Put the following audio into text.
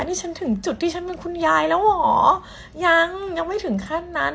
นี่ฉันถึงจุดที่ฉันเป็นคุณยายแล้วเหรอยังยังไม่ถึงขั้นนั้น